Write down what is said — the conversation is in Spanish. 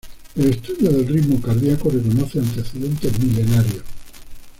El estudio del ritmo cardíaco reconoce antecedentes milenarios.